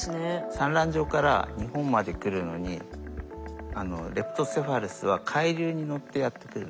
産卵場から日本まで来るのにレプトセファルスは海流に乗ってやって来るんです。